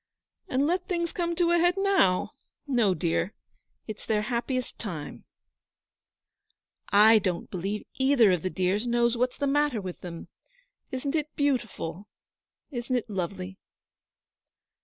'And let things come to a head now? No, dear; it's their happiest time.' 'I don't believe either of the dears know what's the matter with them. Isn't it beautiful? Isn't it lovely?'